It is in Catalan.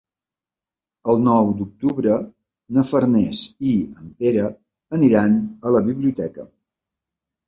El nou d'octubre na Farners i en Pere aniran a la biblioteca.